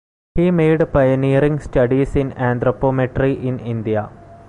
He made pioneering studies in anthropometry in India.